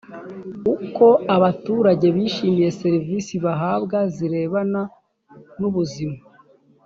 uko abaturage bishimiye serivisi bahabwa zirebana n ubuzima